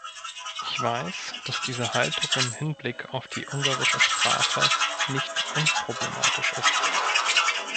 Ich weiß, dass diese Haltung im Hinblick auf die ungarische Sprache nicht unproblematisch ist.